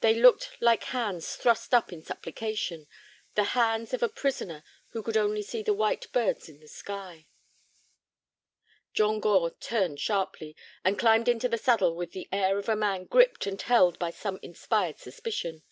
They looked like hands thrust up in supplication, the hands of a prisoner who could only see the white birds and the sky. John Gore turned sharply, and climbed into the saddle with the air of a man gripped and held by some inspired suspicion.